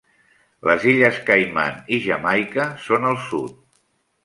Les illes Caiman i Jamaica són al sud.